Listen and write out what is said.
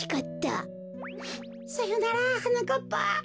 さよならはなかっぱ。